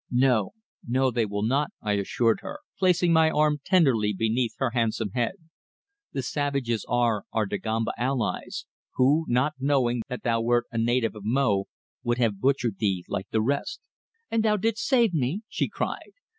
"No, no, they will not," I assured her, placing my arm tenderly beneath her handsome head. "The savages are our Dagomba allies who, not knowing that thou wert a native of Mo, would have butchered thee like the rest." "And thou didst save me?" she cried.